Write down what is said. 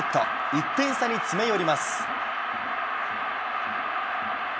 １点差に詰め寄ります。